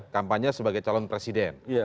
kampanye sebagai calon presiden